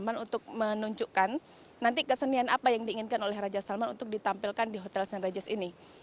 cuman untuk menunjukkan nanti kesenian apa yang diinginkan oleh raja salman untuk ditampilkan di hotel st regis ini